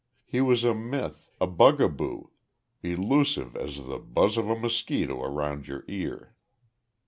He was a myth, a bugaboo elusive as the buzz of a mosquito around your ear.